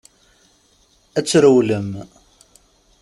Ad trewlem.